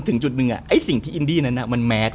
จนถึงจุดนึงไอ้ที่ตรงเรื่องอินดี้มันแมธ